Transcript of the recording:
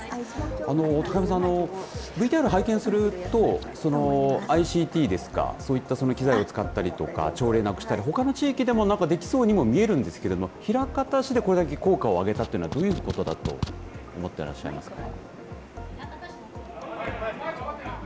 ＶＴＲを拝見するとＩＣＴですかそういった機材を使ったり朝礼をなくしたりほかの地域でもできそうに見えるんですけれど枚方市でこれだけ効果を挙げたのはどういうことだと思っていらっしゃいますか。